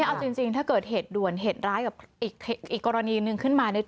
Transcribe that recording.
เอาจริงถ้าเกิดเหตุด่วนเหตุร้ายกับอีกกรณีหนึ่งขึ้นมา